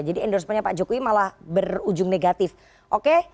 jadi endorsement nya pak jokowi malah berujung negatif oke